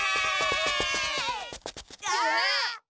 あっ！